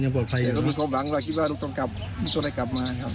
ไม่รู้สึกว่าลูกจะกลับมานะครับ